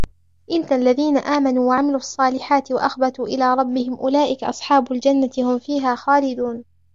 إِنَّ الَّذِينَ آمَنُوا وَعَمِلُوا الصَّالِحَاتِ وَأَخْبَتُوا إِلَى رَبِّهِمْ أُولَئِكَ أَصْحَابُ الْجَنَّةِ هُمْ فِيهَا خَالِدُونَ